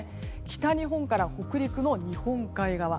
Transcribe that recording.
北日本から北陸の日本海側。